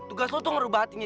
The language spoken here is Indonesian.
tugas kamu merubah hatinya